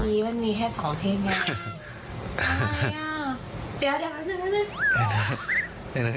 เดี๋ยว๑นึง